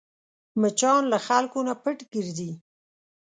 مچان له خلکو نه پټ ګرځي